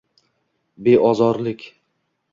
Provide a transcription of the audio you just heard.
Beozorlik